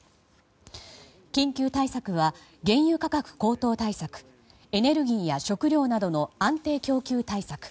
緊急対策は原油価格高騰対策エネルギーや食料などの安定供給対策